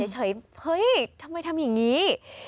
เฉยเฮ้ยทำไมทำอย่างนี้